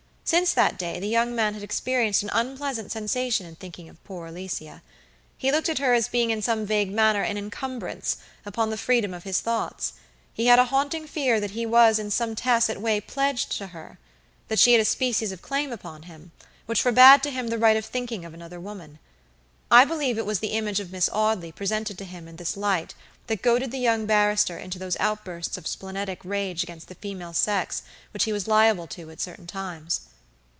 Since that day the young man had experienced an unpleasant sensation in thinking of poor Alicia. He looked at her as being in some vague manner an incumbrance upon the freedom of his thoughts; he had a haunting fear that he was in some tacit way pledged to her; that she had a species of claim upon him, which forbade to him the right of thinking of another woman. I believe it was the image of Miss Audley presented to him in this light that goaded the young barrister into those outbursts of splenetic rage against the female sex which he was liable to at certain times.